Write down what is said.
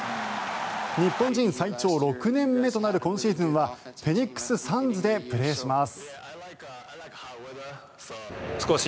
日本人最長６年目となる今シーズンはフェニックス・サンズでプレーします。